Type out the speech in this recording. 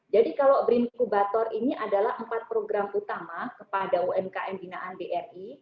jadi kalau bri inkubator ini adalah empat program utama kepada umkm binaan bri